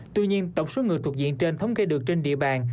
tuy nhiên tổng số người thuộc diện trên thống kê được trên địa bàn